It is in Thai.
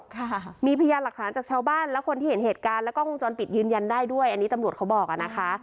ค่ะมีพยานหลักฐานจากชาวบ้านและคนที่เห็นเหตุการณ์และกล้องวงจรปิดยืนยันได้ด้วยอันนี้ตำรวจเขาบอกอ่ะนะคะ